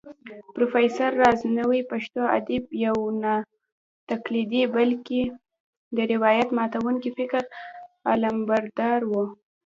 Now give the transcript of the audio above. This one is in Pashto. پروفېسر راز نوې پښتو ادب يو ناتقليدي بلکې د روايت ماتونکي فکر علمبردار و